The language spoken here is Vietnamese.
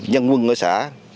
nhân quân của xã